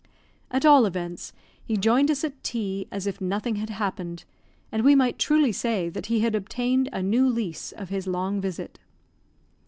At all events, he joined us at tea as if nothing had happened, and we might truly say that he had obtained a new lease of his long visit.